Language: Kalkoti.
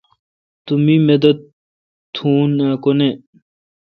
تو می مدد تھو اؘ کو نہ۔